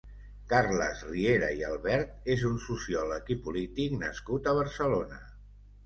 Carles Riera i Albert és un sociòleg i polític nascut a Barcelona.